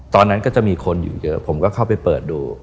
ตอนนั้นก็จะมีคนอยู่เยอะผมก็เข้าไปเปิดดู